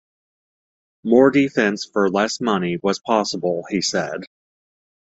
More defense for less money was possible, he said.